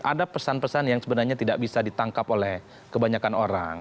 ada pesan pesan yang sebenarnya tidak bisa ditangkap oleh kebanyakan orang